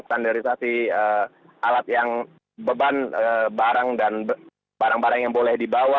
standarisasi alat yang beban barang barang yang boleh dibawa